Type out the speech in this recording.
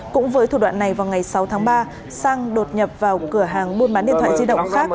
cũng với thủ đoạn này vào ngày sáu tháng ba sang đột nhập vào cửa hàng buôn bán điện thoại di động khác